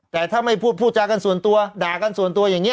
แต่ถ้าไม่พูดพูดจากันส่วนตัวด่ากันส่วนตัวอย่างนี้